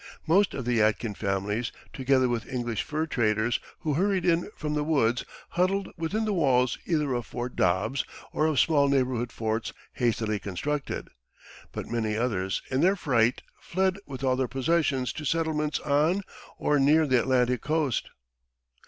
Most of the Yadkin families, together with English fur traders who hurried in from the woods, huddled within the walls either of Fort Dobbs or of small neighborhood forts hastily constructed; but many others, in their fright, fled with all their possessions to settlements on or near the Atlantic coast.